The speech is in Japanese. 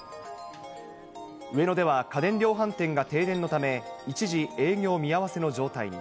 上野では家電量販店が停電のため、一時、営業見合わせの状態に。